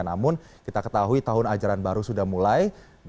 namun kita ketahui tahun ajaran baru sudah mulai